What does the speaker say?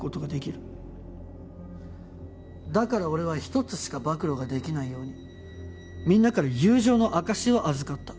だから俺は１つしか暴露ができないようにみんなから友情の証しを預かった。